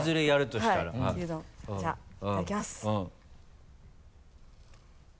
じゃあいただきます。